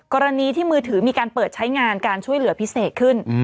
กรณีที่มือถือมีการเปิดใช้งานการช่วยเหลือพิเศษขึ้น